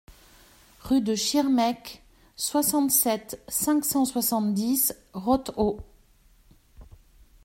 Rue de Schirmeck, soixante-sept, cinq cent soixante-dix Rothau